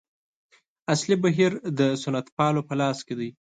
اصلي بهیر د سنتپالو په لاس کې دی.